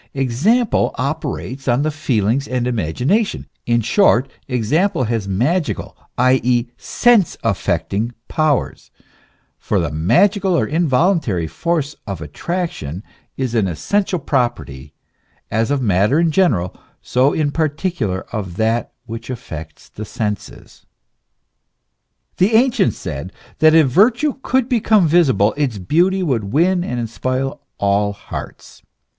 Example operates on the feelings and imagination. In short, example has magical, i. e., sense affecting powers ; for the ma gical or involuntary force of attraction, is an essential property as of matter in general, so in particular of that which affects the senses. The ancients said, that if virtue could become visible, its beauty would win and inspire all hearts.